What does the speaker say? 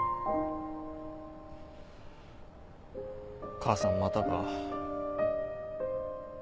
母さんまたか。